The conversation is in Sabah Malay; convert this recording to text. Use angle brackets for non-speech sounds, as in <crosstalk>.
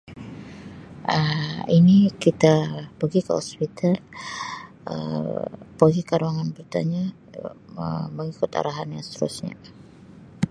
Um Ini kita pergi ke hospital <noise> Um pergi ke ruangan bertanya Um <unintelligible> mengikut arahan seterusnya.